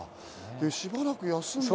しばらく休んで。